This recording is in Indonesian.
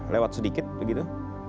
lewat sedikit begitu